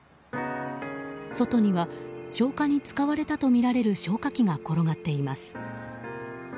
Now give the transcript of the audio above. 外には消火に使われたとみられる消火器が転がっています。